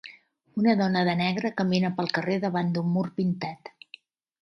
Una dona de negre camina pel carrer davant d'un mur pintat.